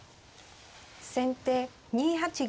先手２八玉。